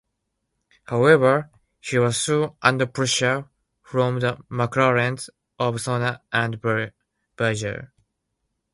However, he was soon under pressure from the McLarens of Senna and Berger.